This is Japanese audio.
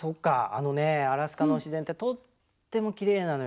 あのねアラスカの自然ってとってもきれいなのよ。